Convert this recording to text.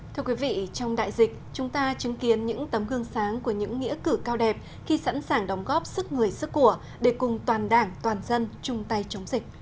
thưa quý vị trong đại dịch chúng ta chứng kiến những tấm gương sáng của những nghĩa cử cao đẹp khi sẵn sàng đóng góp sức người sức của để cùng toàn đảng toàn dân chung tay chống dịch